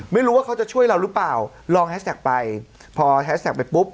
ไม่รู้ว่าเขาจะช่วยเราหรือเปล่าลองแฮชแท็กไปพอแฮสแท็กไปปุ๊บ